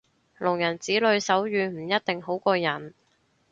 聾人子女手語唔一定好過人